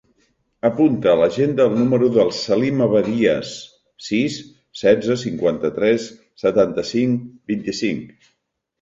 Apunta a l'agenda el número del Salim Abadias: sis, setze, cinquanta-tres, setanta-cinc, vint-i-cinc.